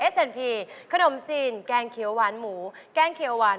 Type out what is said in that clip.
สะดวกมากครับ